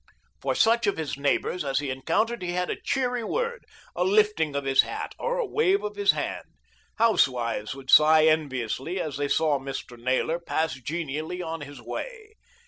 For such of his neighbours as he encountered he had a cheery word, a lifting of his hat, or a wave of the hand. Housewives would sigh enviously as they saw Mr. Naylor pass genially on his way.